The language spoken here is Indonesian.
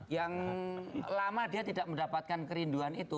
yang lama dia tidak mendapatkan kerinduan itu